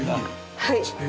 はい。